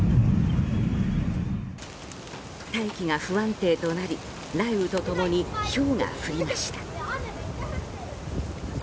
大気が不安定となり雷雨と共にひょうが降りました。